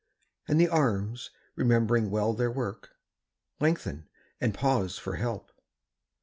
" and the arms, remembering well their work, Lengthen and pause for help.